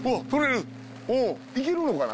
行けるのかな？